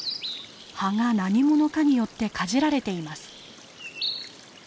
葉が何者かによってかじられています。